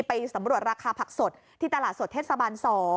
ไปสำรวจราคาผักสดที่ตลาดสดเทศบาล๒